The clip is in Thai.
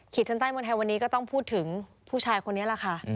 ชั้นใต้เมืองไทยวันนี้ก็ต้องพูดถึงผู้ชายคนนี้แหละค่ะ